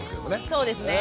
そうですね。